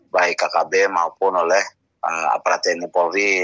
baik kkb maupun oleh aparat tni polri